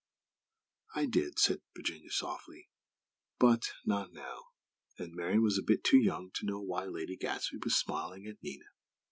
"I did," said Virginia, softly; "but, not now;" and Marian was a bit too young to know why Lady Gadsby was smiling at Nina!